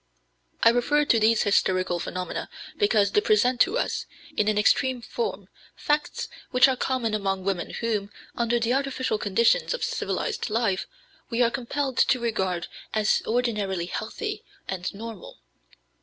" I refer to these hysterical phenomena because they present to us, in an extreme form, facts which are common among women whom, under the artificial conditions of civilized life, we are compelled to regard as ordinarily healthy and normal.